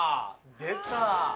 出た！